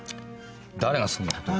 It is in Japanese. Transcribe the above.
だれがそんなことを。